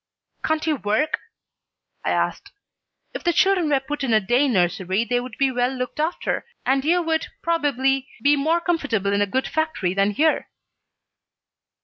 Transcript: "Can't you work?" I asked. "If the children are put in a day nursery they would be well looked after, and you would probably be more comfortable in a good factory than here."